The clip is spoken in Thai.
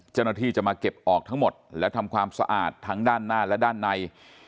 จรรยาภิกษ์จะมาเก็บออกทั้งหมดและทำความซะอาดทางด้านหน้าและด้านใน